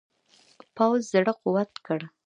پوځ زړه قوت کړ.